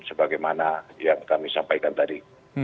sebagaimana yang kami sampaikan tadi